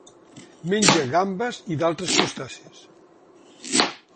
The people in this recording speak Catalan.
Menja gambes i d'altres crustacis.